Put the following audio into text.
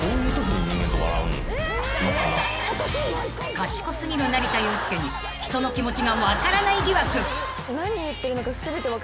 ［賢すぎる成田悠輔に人の気持ちがわからない疑惑］